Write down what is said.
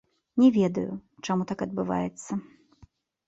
Не ведаю, чаму так адбываецца.